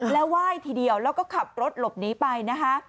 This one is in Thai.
แล้วไหว้ทีเดียวแล้วก็ขับรถหลบหนีไปนะคะ